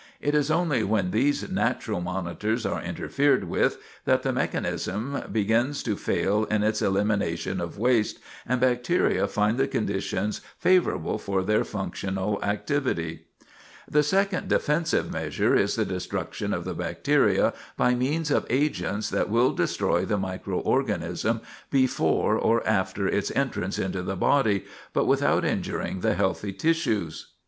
It is only when these natural monitors are interfered with that the mechanism begins to fail in its elimination of waste, and bacteria find the conditions favorable for their functional activity. [Sidenote: Destroy the Bacteria] The second defensive measure is the destruction of the bacteria by means of agents that will destroy the microörganism before or after its entrance into the body, but without injuring the healthy tissues.